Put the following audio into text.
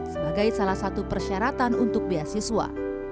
sebagai salah satu persyaratan untuk beasiswa